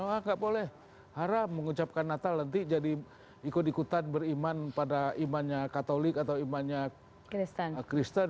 wah nggak boleh haram mengucapkan natal nanti jadi ikut ikutan beriman pada imannya katolik atau imannya kristen